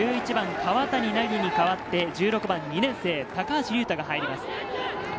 １１番・川谷凪に代わって１６番の２年生・高橋隆大が入ります。